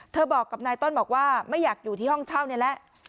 บอกกับนายต้นบอกว่าไม่อยากอยู่ที่ห้องเช่านี่แหละ